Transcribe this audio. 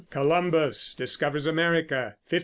Columbus discovers America | 1499.